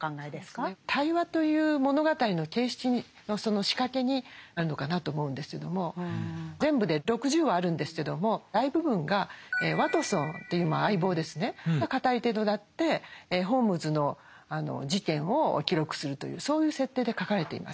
「対話」という物語の形式にその仕掛けにあるのかなと思うんですけども全部で６０話あるんですけども大部分がワトソンという相棒ですねが語り手となってホームズの事件を記録するというそういう設定で書かれています。